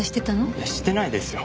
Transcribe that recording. いやしてないですよ。